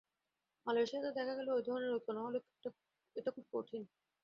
মালয়েশিয়াতেও দেখা গেল এই ধরনের ঐক্য না হলে এটা খুব কঠিন।